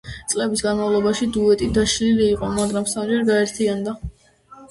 წლების განმავლობაში დუეტი დაშლილი იყო, მაგრამ სამჯერ გაერთიანდა.